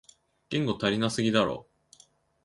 言語足りなすぎだろ